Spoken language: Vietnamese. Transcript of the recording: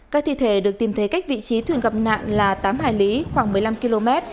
các thi thể được tìm thấy cách vị trí thuyền gặp nạn là tám hải lý khoảng một mươi năm km